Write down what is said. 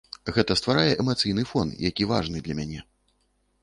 Гэта стварае эмацыйны фон, які важны для мяне.